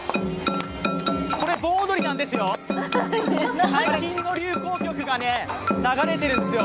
これ盆踊りなんですよ、最新の流行曲が流れてるんですよ。